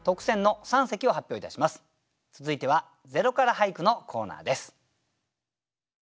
続いては「０から俳句」のコーナーです。